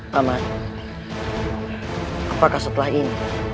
paman apakah setelah ini